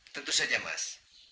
tentu saja mas